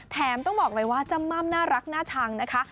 ต้องบอกเลยว่าจ้ำม่ำน่ารักน่าชังนะคะ